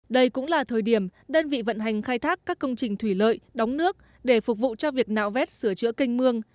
đây cũng là thời điểm đơn vị vận hành khai thác các công trình thủy lợi đóng nước để phục vụ cho việc nạo vét sửa chữa canh mương